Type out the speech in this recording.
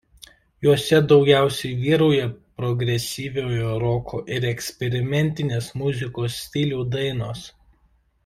Juose daugiausiai vyrauja progresyviojo roko ir eksperimentinės muzikos stilių dainos.